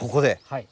はい。